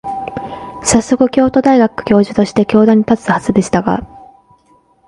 さっそく、京都大学教授として教壇に立つはずでしたが、